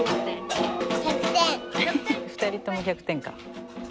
２人とも１００点か。